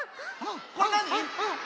これなに？